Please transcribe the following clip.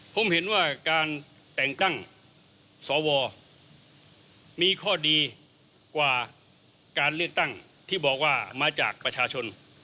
ผมเห็นว่าการแต่งตั้งสวมีข้อดีกว่าการเลือกตั้งที่บอกว่ามาจากประชาชน